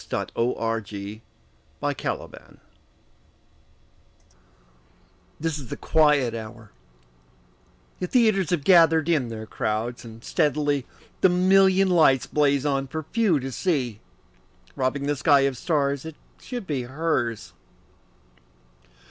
Sara Teasdale Broadway THIS is the quiet hour; the theaters Have gathered in their crowds, and steadily The million lights blaze on for few to see, Robbing the sky of stars that should be hers.